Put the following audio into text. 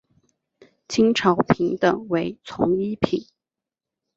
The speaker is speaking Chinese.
清朝品等为从一品。